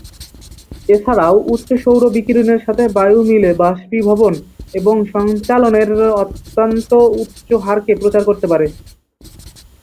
এছাড়াও, উচ্চ সৌর বিকিরণের সাথে বায়ু মিলে বাষ্পীভবন এবং সঞ্চালনের অত্যন্ত উচ্চ হারকে প্রচার করতে পারে।